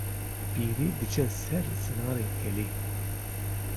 Pîrê diçe ser Zinarê Kelê